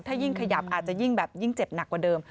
ถ้ายิ่งขยับอาจจะยิ่งแบบยิ่งเจ็บหนักกว่าเดิม